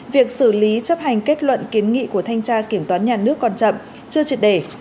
việc xử lý chấp hành kết luận kiến nghị của thanh tra kiểm toán nhà nước còn chậm chưa triệt đề